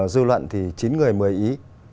dư luận thì chín người một mươi ý